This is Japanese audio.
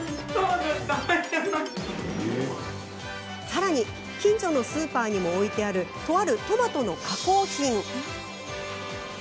さらに、近所のスーパーにも置いてあるとあるトマトの加工品。